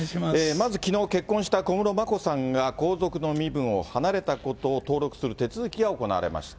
まずきのう結婚した小室眞子さんが、皇族の身分を離れたことを登録する手続きが行われました。